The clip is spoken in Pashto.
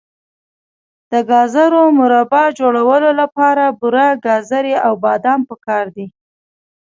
د ګازرو مربا جوړولو لپاره بوره، ګازرې او بادام پکار دي.